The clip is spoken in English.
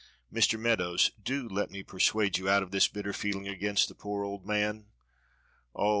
Mr. Meadows, do let me persuade you out of this bitter feeling against the poor old man. Oh!